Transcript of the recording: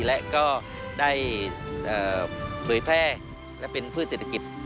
และก็ได้เผยแพร่และเป็นพืชเศรษฐกิจ